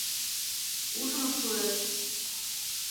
Ужмо шуэш.